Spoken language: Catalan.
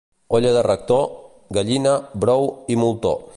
Olla de rector, gallina, bou i moltó.